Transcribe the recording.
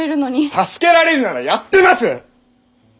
助けられるならやってます！